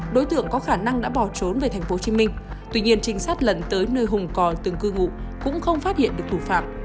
đối tượng có khả năng đã bỏ trốn về tp hcm tuy nhiên trinh sát lần tới nơi hùng cò từng cư ngụ cũng không phát hiện được thủ phạm